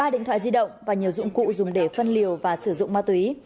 ba điện thoại di động và nhiều dụng cụ dùng để phân liều và sử dụng ma túy